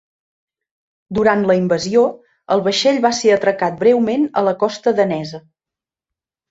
Durant la invasió, el vaixell va ser atracat breument a la costa danesa.